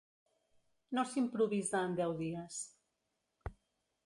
No s’improvisa en deu dies.